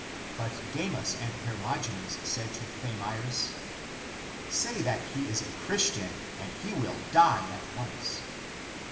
But Demas and Hermogenes said to Thamyris, " Say that he is a Christian and he will die at once."